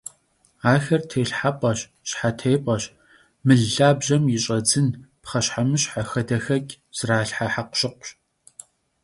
Axer têlhhep'eş, şhetêp'eş, mıl lhabjem yi ş'edzın, pxheşhemışhe, xadexeç' zralhhe hekhuşıkhuş.